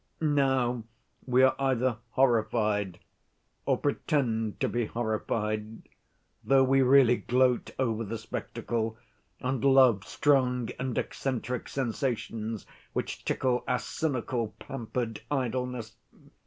Now we are either horrified or pretend to be horrified, though we really gloat over the spectacle, and love strong and eccentric sensations which tickle our cynical, pampered idleness.